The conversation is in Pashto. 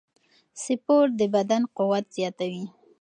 سپورت د بدن قوت زیاتوي.